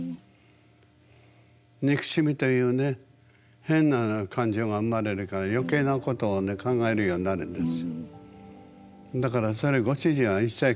憎しみというね変な感情が生まれるから余計なことを考えるようになるんです。